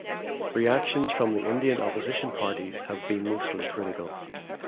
Reactions from the Indian opposition parties have been mostly critical.